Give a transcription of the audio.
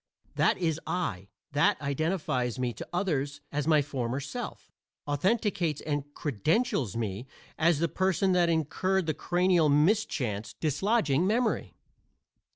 That is I; that identifies me to others as my former self authenticates and credentials me as the person that incurred the cranial mischance, dislodging memory.